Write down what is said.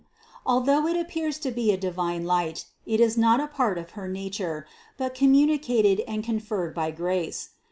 Although it appears to be a divine light, it is not a part of her nature, but communicated and con ferred by grace.